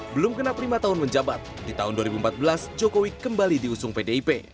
belum kenap lima tahun menjabat di tahun dua ribu empat belas jokowi kembali diusung pdip